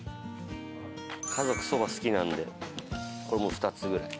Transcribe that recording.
家族そば好きなんでこれも２つぐらい。